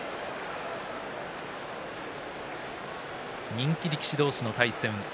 人気力士同士の対戦。